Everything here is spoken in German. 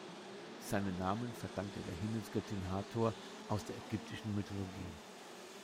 Seinen Namen verdankt er der Himmelsgöttin Hathor aus der ägyptischen Mythologie.